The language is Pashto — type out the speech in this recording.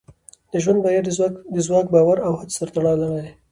د ژوند بریا د ځواک، باور او هڅې سره تړلې ده.